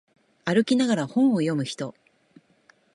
歩きながら本を読む人